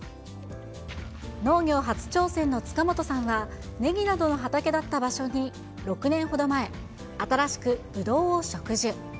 農業初挑戦の塚本さんは、ネギなどの畑だった場所に、６年ほど前、新しくブドウを植樹。